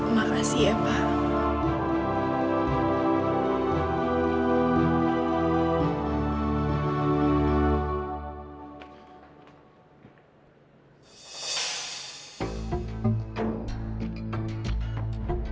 makasih ya pak